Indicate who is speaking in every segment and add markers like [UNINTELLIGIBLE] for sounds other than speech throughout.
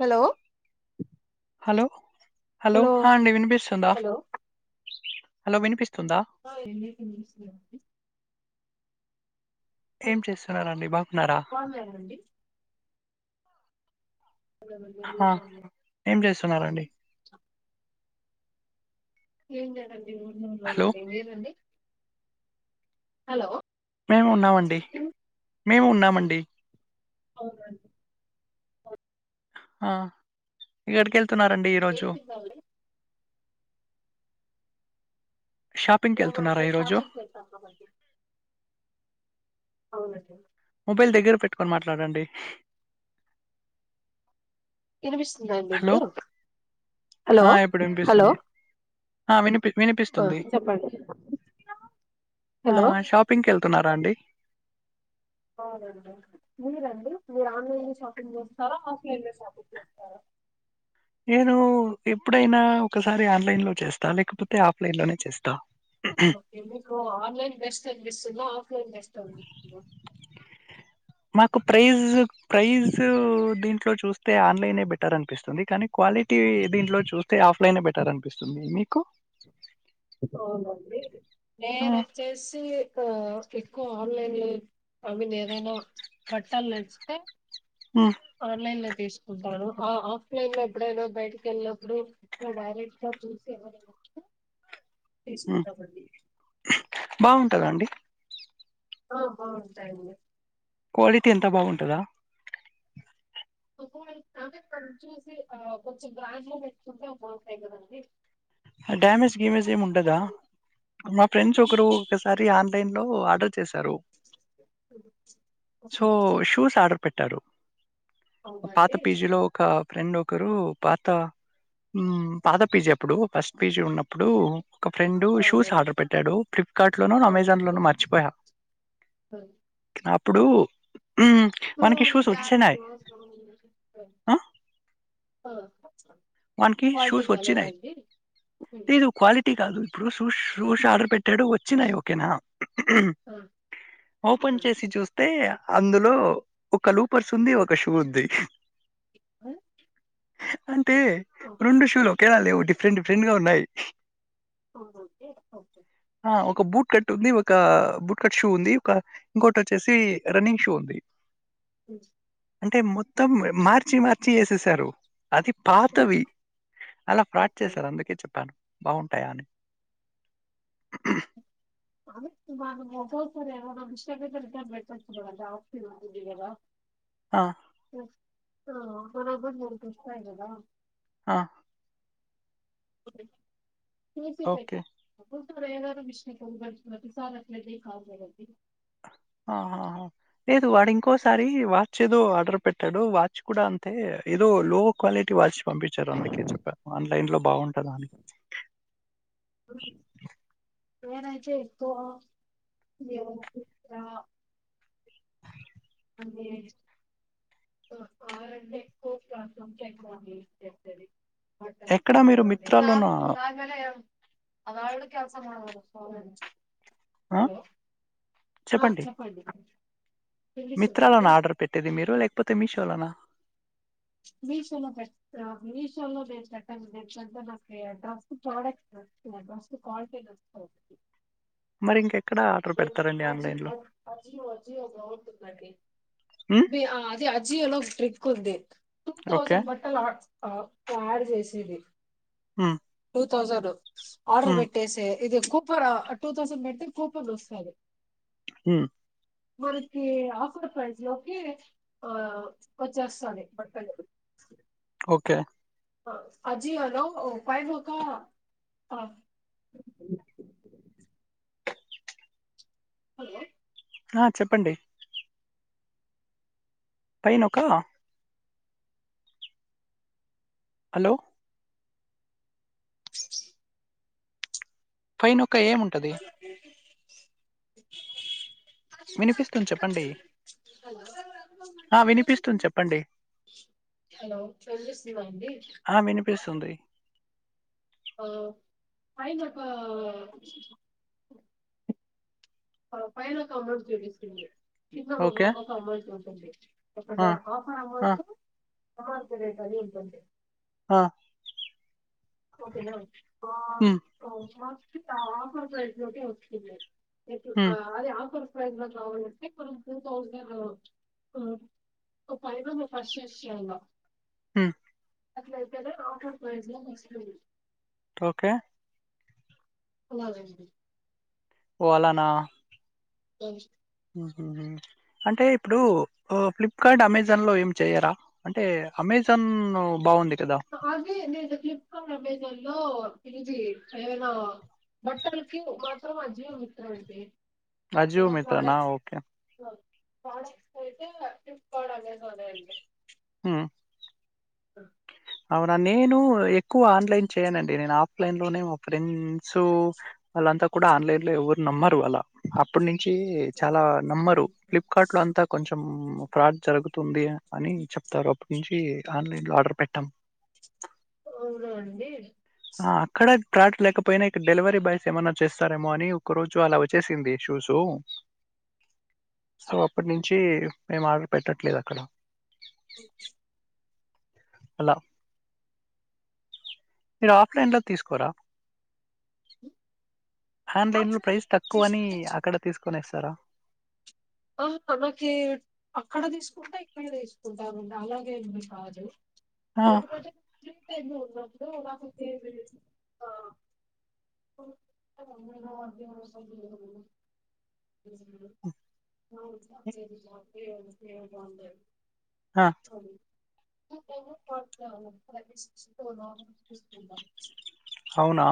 Speaker 1: Hello
Speaker 2: hello hello హ అండి వినిపిస్తుందా
Speaker 1: హలో
Speaker 2: హలో వినిపిస్
Speaker 1: [INAUDIBLE]
Speaker 2: ఏం చేస్తున్నరండీ బాగున్నారా
Speaker 1: బాగున్నారండి
Speaker 2: హా ఏం చేస్తున్నరండీ
Speaker 1: ఏం జనన్
Speaker 2: హలో
Speaker 1: [UNINTELLIGIBLE] మీరండి హలో
Speaker 2: మేము ఉన్నామండి మేము ఉన్నామండి
Speaker 1: అవునండి
Speaker 2: ఆ ఏడికి వెళ్తున్నారండి
Speaker 1: ఏం
Speaker 2: ఈరోజు
Speaker 1: తిన్నారండి
Speaker 2: షాపింగ్కి వెళ్తున్నారా
Speaker 1: ఏవండీ
Speaker 2: ఈరోజు
Speaker 1: షాపింగ్ కెల్తం [INAUDIBLE] అవునండి
Speaker 2: మొబైల్ దగ్గర పెట్టుకొని మాట్లాడండి
Speaker 1: వినిపిస్తుందా అండి
Speaker 2: హలో
Speaker 1: ఇప్పుడు హలో
Speaker 2: ఆ ఇప్పుడు
Speaker 1: హలో
Speaker 2: వినిపిస్తుంది ఆ వినుపి
Speaker 1: ఆ
Speaker 2: వినిపిస్తుంది
Speaker 1: చెప్పండి
Speaker 2: ఆ
Speaker 1: హలో
Speaker 2: షాపింగ్కి వెళ్తున్నారా అండి
Speaker 1: అవునండి మీరండి మీరు ఆన్లైన్ లో షాపింగ్ చేస్తారా ఆఫ్లైన్ లో షాపింగ్ చేస్తారా
Speaker 2: నేను ఎప్పుడైనా ఒకసారి ఆన్లైన్ లో చేస్తా లేకపోతే ఆఫ్లైన్ లోనే చేస్తా
Speaker 1: ఓకే మీకు ఆన్లైన్ బెస్ట్ అనిపిస్తున్నా ఆఫ్లైన్ బెస్ట్ అనిపిస్తుందా
Speaker 2: మాకు ప్రైజ్ ప్రైజ్ దీంట్లో చూస్తే ఆన్లైన్ బెటర్ అనిపిస్తుంది కానీ క్వాలిటీ దీంట్లో చూ తే ఆఫ్లైనే బెటర్ అనిపిస్తుంది మీకు
Speaker 1: అవునండి నేను వచ్చేసి [UNINTELLIGIBLE] ఎక్కువ ఆన్లైన్ లో ఐ మీన్ ఏదైనా బట్టలు నచ్చితే ఆన్లైనే తీసుకుంటాను. ఆఫ్లైన్ లో ఎప్పుడైనా బయటకి వెళ్ళినప్పుడు డైరెక్ట్ గా చూసి తీసుకుంటమండి
Speaker 2: టదండి
Speaker 1: ఆ బా ఉంటాయిండి
Speaker 2: క్వాలిటీ ఎంత బాగుంటందా
Speaker 1: ఇక్కడ చూసి ఆ కొంచెం గాంట్ లో పెట్టుకుంటే బాగుంటాయి కదండి
Speaker 2: డ్యామేజ్ గేమేజ్ ఏమి ఉండదా మా ఫ్రెండ్స్ ఒకరు ఒకసారి ఆన్లైన్ లో ఆర్డర్ చేశారు
Speaker 1: ఓకే.
Speaker 2: సో షూస్ ఆర్డర్ పే పెట్టారు పాత
Speaker 1: అవునండి.
Speaker 2: పీజీలో ఒక ఫ్రెండ్ ఒకరు పాత పాత పీజ ఎప్పుడు ఫస్ట్ పీచు ఉన్నప్పుడు ఒక ఫ్రెండ్
Speaker 1: ఆ!
Speaker 2: షూస్ ఆర్డర్ పెట్టాడు ఫ్లిప్కార్ట్ లోను అమెజాన్
Speaker 1: అవునండి.
Speaker 2: లోను మర్చిపోయా ఇప్పుడు ఆ! మనకి
Speaker 1: వాల్టి
Speaker 2: షూస్ వచ్చినాయి.
Speaker 1: అటీ
Speaker 2: లేదు క్వాలిటీ కాదు ఇప్పుడు సూ షూస్ ఆర్డర్ పెట్టి రడు వచ్చినాయి ఓకేనా ఓపెన్ చేసి చూస్తే అందులో ఒక లూపర్స్ ఉంది ఒక షూ ఉంది
Speaker 1: ఆ
Speaker 2: అ రెండు శూలోకనా లే ఉటి ఫ్రెడ్ ఫ్రెండ్ గా ఉన్నాయి ఆ ఒక బూట్ బుట్కట్ ఉంది ఒక బుట్కట్ షూ ఉంది ఒక ఇంకోటి వచ్చేసి రన్నింగ్ షూ ఉంది
Speaker 1: అ
Speaker 2: అంటే మొత్తం మార్చి మార్చి వేసేసారు అది పాతవి అలా ఫ్రాడ్ చేస్త
Speaker 1: ఓకే,
Speaker 2: అందుకే చెప్పాను బాగుంటాయా అని
Speaker 1: అద తు నం ఒ సార అ న ఇష్ట అంతే బ తు ఆతగదా
Speaker 2: ఆ!
Speaker 1: అ ఆ మనబ ననకి ఇష్ట అదదా
Speaker 2: ఆ
Speaker 1: తీర్స
Speaker 2: ఓకే.
Speaker 1: పెట్ ఏద విషయంతిసాలల కాంది
Speaker 2: ఆహా ఏ వాడు ఇంకోసారి వాచ్ ఏదో ఆర్డర్ పెట్టాడు వాచ్ కూడా అంతే ఏదో లో క్వాలిటీ వాచ్ పంపించారు అందుకే చెప్పా ఆన్లైన్ లో బాగుంటదా అని
Speaker 1: నేనైతే ఎక్కువా అజియో మింత్రా అంటే ఎక్కువ ప్రాస ఎక్కువస్తుది
Speaker 2: ఎక్కడ మీరు మిత్రాలోనా?
Speaker 1: హోల్ నా అళ్ కల్సమాాల స్వా
Speaker 2: ఆ!
Speaker 1: హలో ఆ చెప్పండి
Speaker 2: మిత్రాలో
Speaker 1: వినిపిస్తుందండి
Speaker 2: నా ఆర్డర్ పెట్టేది మీరు లేకపోతే మీషోలోనా
Speaker 1: మీషోలో పెట్టా మీషోలో నేను పెట్టను నేన్ నాకు డ్రస్ట్ ప్రోడక్ట్స్ నచ్చవ్ డ్రస్ట్ క్వాలిటీ నచ్చవ్ అసల్కీ
Speaker 2: మరింకె
Speaker 1: అ అజి అజియో అజియో బాగుంటుంది అండి
Speaker 2: హ్మ్.
Speaker 1: బి ఆ అజి అజియో లో ఒక ట్రిక్ ఉంది. Two
Speaker 2: okay.
Speaker 1: తౌసండ్ బట్టల్ ఆర్డ్ ఆ కార్డ్ జేసింది
Speaker 2: ఆ
Speaker 1: టూ తౌసండ్ ఆర్డర్ పెట్టేసే ఇది కూపర్ టూ తౌసండ్ పెట్టీ కూప్ పన్ వస్తాది
Speaker 2: హ్మ
Speaker 1: మనకి ఆఫర్ ప్రైస్ లోకి ఆ వచ్చేస్తాది బట్టలు.
Speaker 2: ఓకే
Speaker 1: అజీయో లో ఓ ఫైవ్ ఒకా ఆ హలో
Speaker 2: ఆ చెప్పండి పైనొకా హలో
Speaker 1: అ
Speaker 2: పైనో క్క ఏముంటది వినిపిస్తుంది చెప్పండి ఆ వినిపిస్తుంది చెప్పండి
Speaker 1: హలో హలో వినిపిస్తుందా అండి
Speaker 2: ఆ వినిపిస్తుంది.
Speaker 1: ఆ పైనొకా పైనొక అమౌంట్ చూపిస్తుంది. కింద
Speaker 2: ఓకే.
Speaker 1: ఒక అమౌంట్ ఉంటుంది. అక్కడ
Speaker 2: ఆ!
Speaker 1: ఆఫర్
Speaker 2: ఆ!
Speaker 1: అమౌంటు అమౌంట్ రేట్ అది ఉంటుంది
Speaker 2: ఆ
Speaker 1: ఓకేనా [UNINTELLIGIBLE]
Speaker 2: హ్మ్.
Speaker 1: ఎ అదే
Speaker 2: హ్మ్.
Speaker 1: ప్రైజ లో కావాలంటే ఇప్పుడు టూ థౌజండ్ ఒక ఫైవ్ లో ఫస్ట్ చేసి చేయాల
Speaker 2: మ్
Speaker 1: అట్లా [UNINTELLIGIBLE]
Speaker 2: ఓకే
Speaker 1: అలా
Speaker 2: ఓలనా
Speaker 1: అ
Speaker 2: అంటే ఇప్పుడు ఫ్లిప్కార్ట్ అమెజాన్ లో ఏమి చెయరాా అంటే అమెజాన్ బాగుంది
Speaker 1: అగే నేను ఫ్లిప్ హలో పిజీ ఏమైనా బట్టలకి మాత్రం ఆ జీవం మత్ర అండి
Speaker 2: అజీవు
Speaker 1: ఏమైనా
Speaker 2: మీత్రనా
Speaker 1: ప్రోడక్ట్స్
Speaker 2: ఓకే
Speaker 1: [INAUDIBLE]
Speaker 2: హ అవునా నేను ఎక్కువ ఆన్లైన్ చేయనండి, నేను ఆఫ్లైన్ లోనే మా ఫ్రెండ్స్, వాళ్ళంతా కూడా ఆన్లైన్ లో ఎవరు నమ్మరు వాళ్ళ అప్పుడు ను చి చాలా నమ్మరు ఫ్లిప్కార్ట్ లో అంతా కొంచెం ఫ్రాడ్ జరుగుతుంది అని చెప్తారు అప్పటి నుంచి ఆన్లైన్ లో ఆర్డర్ పెట్ట
Speaker 1: అవును అండి
Speaker 2: ఆ అక్కడ స్ార్ట్లేకపోయినా ఇక్కడ డెలివరీ బాయ్స్ ఏమైనా చేస్తారేమో అని, ఒక రోజు అలా వచ్చేసింది షూసు, సో అప్పటి నుంచి మేము ఆర్డర్ పెట్టట్లేదు అక్కడ అలా మీరు ఆఫ్లైన్ లో తీసుకోరా ఆన్లైన్ లో
Speaker 1: ఆఫ్లైన్
Speaker 2: ప్రైస్ తక్కువ అని
Speaker 1: తీసు
Speaker 2: అక్కడ తీసుకు కొనేస్తారా
Speaker 1: ఆ మనకి అక్కడ తీసుకుంటే ఇక్కడ తీసుకుంటామండి అలాగేండి కాజు
Speaker 2: ఆ!
Speaker 1: ఎందు ఆహ్,
Speaker 2: ఓకే.
Speaker 1: [INAUDIBLE]
Speaker 2: ఆ! అవునా?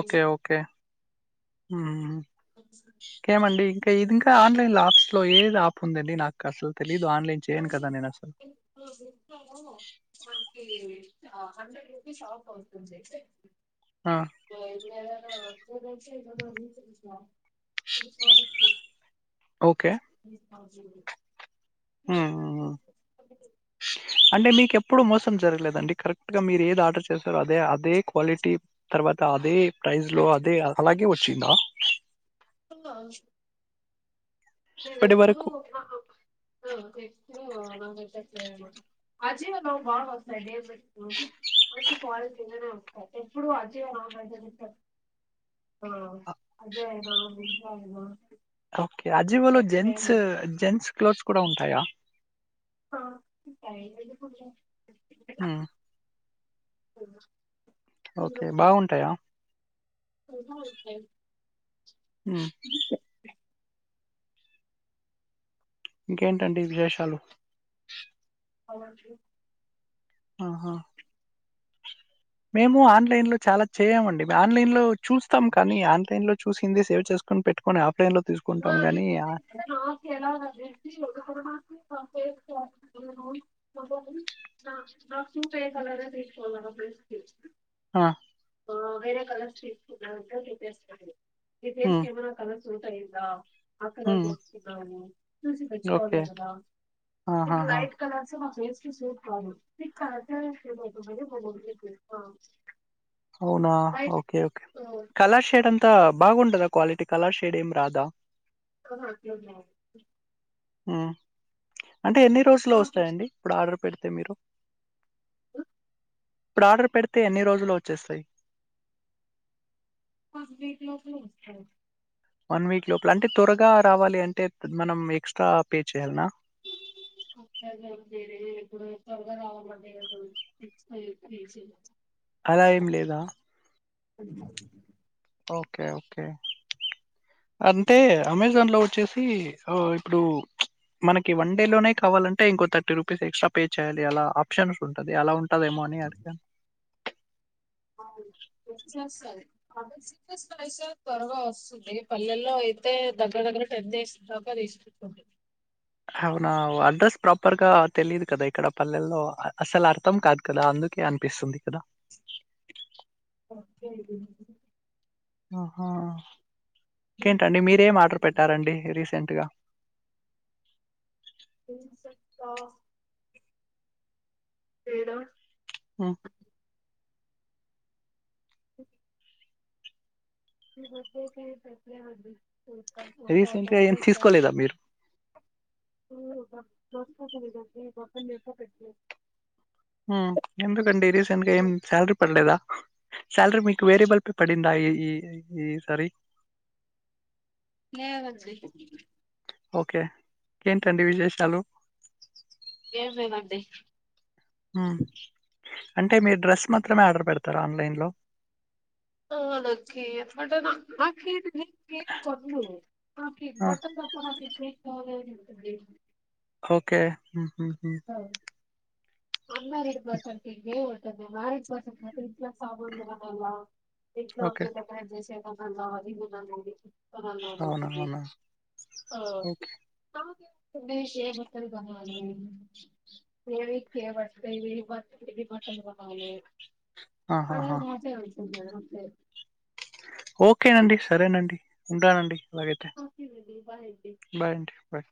Speaker 2: ఓకే ఓకే కేమండి ఇంకా ఇది ఇంకా ఆన్లైన్ లలాప్స్ లో ఏది ఆప్ ఉందండి నాకు అసలు తె
Speaker 1: [UNINTELLIGIBLE] హండ్రెడ్ రపీస్ంది
Speaker 2: ఆ!
Speaker 1: ఇ [UNINTELLIGIBLE] [UNINTELLIGIBLE]
Speaker 2: ఓకే
Speaker 1: [UNINTELLIGIBLE]
Speaker 2: ఆ
Speaker 1: అజీవలో
Speaker 2: అంటే మీకెప్పు ఇప్పుడు మోసం జరగలేదండి కరెక్ట్గా మీరు ఏది ఆర్డర్ చేశారో అదే అదే క్వాలిటీ తర్వాత అదే ప్రైస్లో అదే అలాగే వచ్చిందా ఇప్పటి వరకు
Speaker 1: [UNINTELLIGIBLE] అజియాలో బాగా వస్తాయి అండి మంచి క్వాలిటీ ఎప్పుడు ఆ జియోని అజియో అయినా మింత్రా ఆయన
Speaker 2: అజీవో లో జెంట్స్ జెంట్స్ క్లోత్స్ కూడా ఉంటాయా
Speaker 1: [UNINTELLIGIBLE]
Speaker 2: ఆ ఓకే
Speaker 1: అ
Speaker 2: బాగుంటాయా
Speaker 1: [UNINTELLIGIBLE]
Speaker 2: ఆ ఇంకేంటండి విశేషాలు
Speaker 1: [UNINTELLIGIBLE]
Speaker 2: ఆహా మేము ఆన్లైన్ లో చాలా చేయమండి మేము ఆన్లైన్ లో చూస్తాం కానీ ఆన్లైన్ లో చూసింది సేవ్ చేసుకొని పెట్టుకుని ఆ
Speaker 1: ఇ మా ఎ మా ఫేస్ మ నాసపే కలరే తీసుకోవాల ఫేస్
Speaker 2: ఆ
Speaker 1: వేరే కలర్స్ ఫులా బద్ద రపిస్త ఇ ఫేస్
Speaker 2: ఉమ్,
Speaker 1: కెమెరా కవ ఉంటా అ ఆ కలర్
Speaker 2: ఉమ్,
Speaker 1: గట్ని చూసి
Speaker 2: ఓకే
Speaker 1: తెచ్చుకోవాలి కదా ఇప్పుడు
Speaker 2: ఆహాహా.
Speaker 1: లైట్ కలర్స్ మా ఫేస్ [UNINTELLIGIBLE]
Speaker 2: అవునా
Speaker 1: light
Speaker 2: okay okay colour shade అంతా బాగుండద క్వాలిటీ కలర్ షేడ్ ఏం రాదా
Speaker 1: హ
Speaker 2: ఆ అంటే ఎన్ని రోజ్స్ లో
Speaker 1: అట్లా
Speaker 2: వస్తాయండి ఆర్డర్ పెడితే మీరు ఇప్పుడు ఆర్డర్ పెడితే ఎన్ని రోజులు వచ్చ చ్చేస్తయి
Speaker 1: ఫస్ట్ వీక్ లోపల వస్తాయ్
Speaker 2: వన్ వీక్ లోపల అంటే త్వరగా రావాలి అంటే మనం ఎక్స్ట్రా పే చేయ్యాలనా
Speaker 1: వరే ఇప్పుడు త్వరగా రావమంటే తె
Speaker 2: అలా ఏం లేదా
Speaker 1: అ
Speaker 2: ఓకే ఓకే అన్ అంటే అమెజాన్లో వచ్చేసి సో ఇప్పుడు మనకి వన్ డే లోనే కావాలంటే, ఇంకో థర్టీ రూపీస్ ఎక్స్ట్రా పే చేయాలి. అలా ఆప్షన్స్ ఉంటది. అలా ఉంటదేమో అని అడిగాను.
Speaker 1: త్వరగా వస్తుంది. పల్లెల్లో అయితే దగ్గర దగ్గర టెన్ చేస్తు తీసుకుంటుంది.
Speaker 2: అవునా అడ్రస్ ప్రాపర్గా తెలియదు కదా. ఇక్కడ పల్లెల్లో అసలు అర్థం కాదు. కదా అందుకే అనిపిస్తుంది కదా. ఆహా ఇంకేంటండి మీరేం ఆర్డర్ పెట్టారండి రీసెంట్ గ
Speaker 1: ఆ ఏడం
Speaker 2: హు
Speaker 1: ఇపొద్దు అయితే గ ఉంది
Speaker 2: రీసెంట్ గా
Speaker 1: కాటన్
Speaker 2: ఏం
Speaker 1: దద సార్
Speaker 2: తీసుకోలేదా మీరు?
Speaker 1: ఉ బప్ ఉంటది కదండీ బప్ప ని పెట్
Speaker 2: ఎందుకండి రీసెంట్ గా ఏం శాలరీ పడలేదా సాలరీ మీకు వేరేబల్ పే పడిందా ఈ ఈ ఈ సారీ
Speaker 1: లేదండి
Speaker 2: ఓకే ఏంటండి విశేషాలు
Speaker 1: ఏం లేదండి
Speaker 2: ఆ అంటే మీరు డ్రెస్ మాత్రమే ఆర్డర్ పెడతారా ఆన్లైన్లో
Speaker 1: ఆ నాకేప్ [INAUDIBLE] కేక్ కొన్ను కేక్
Speaker 2: ఆ!
Speaker 1: బట్టన్ కొనాలంటే ఉంటుంద్ది
Speaker 2: ఓకే ఉహు
Speaker 1: అన్న రెడ్ బస్ అంత పో అదే సాధిర ఇట్లా సాందిద ఎట్లో
Speaker 2: ఓకే.
Speaker 1: ఒక డిఫరెంట్ చెన్ [UNINTELLIGIBLE] అనేది అన్నా
Speaker 2: అవునా!
Speaker 1: తెలిసింది
Speaker 2: అవునా! ఓకే.
Speaker 1: ఆ మీషేట్టలు [INAUDIBLE] ఏవి కే వడుతదివి హెవీ బట్టలు కొన్నావు
Speaker 2: ఆహాహా!
Speaker 1: [UNINTELLIGIBLE] [INAUDIBLE]
Speaker 2: ఓకేనండి సరేనండి ఉంటానండి లాగేతే
Speaker 1: నాకి ఇది బాగుంది
Speaker 2: బాయ్ అండి బాయ్